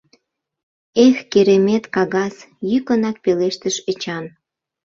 — Эх, керемет кагаз! — йӱкынак пелештыш Эчан.